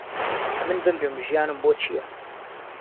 ئهمن بمرم ژیانم بۆ چييه